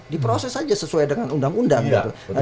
diproses saja sesuai dengan undang undang gitu